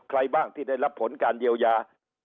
ใครบ้างที่ได้รับผลการเยียวยา